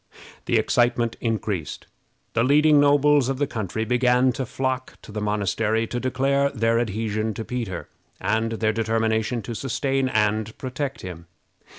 The excitement increased. The leading nobles of the country began to flock to the monastery to declare their adhesion to Peter, and their determination to sustain and protect him.